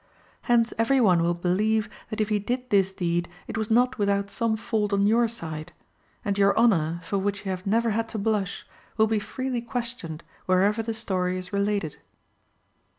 Hence every one will believe that if he did this deed it was not without some fault on your side; and your honour, for which you have never had to blush, will be freely questioned wherever the story is related."